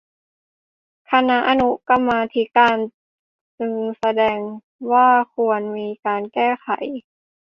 คณะอนุกรรมาธิการจึงเสนอว่าควรจะมีการแก้ไข